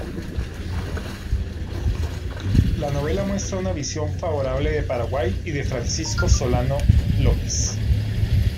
La novela muestra una visión favorable de Paraguay y de Francisco Solano López.